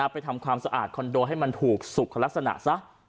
ไปทำความสะอาดคอนโดให้มันถูกสุขลักษณะซะ